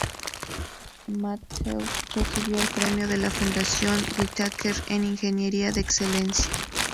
Matthews recibió el Premio de la Fundación Whitaker por Ingeniería de Excelencia.